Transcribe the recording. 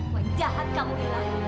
wah jahat kamu mila